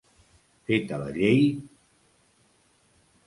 Feta la llei...